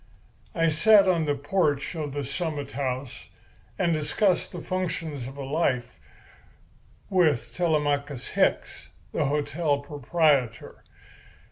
I sat on the porch of the Summit House and discussed the functions of life with Telemachus Hicks, the hotel proprietor.